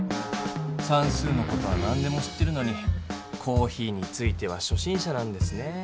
さんすうの事はなんでも知ってるのにコーヒーについてはしょ心者なんですね。